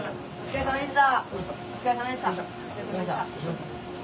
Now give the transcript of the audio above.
お疲れさまでした。